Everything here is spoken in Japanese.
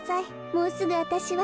もうすぐわたしは。